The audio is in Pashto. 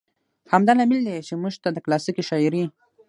همدا لامل دى، چې موږ ته د کلاسيکې شاعرۍ